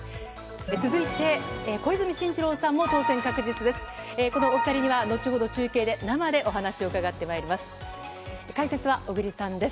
続いて、小泉進次郎さんも当選確実です。